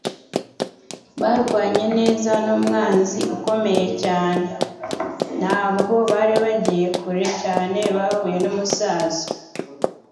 Barwanye neza n'umwanzi ukomeye cyane. Ntabwo bari bagiye kure cyane bahuye numusaza.